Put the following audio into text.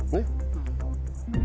うん。